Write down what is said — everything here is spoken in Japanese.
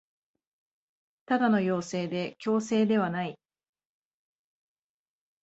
ただの要請で強制ではない